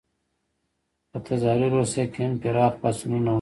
په تزاري روسیه کې هم پراخ پاڅونونه وشول.